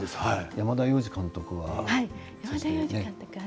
山田洋次監督は。